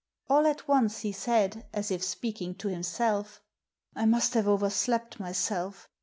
All at once he said, as if speaking to himself —" I must have overslept myself."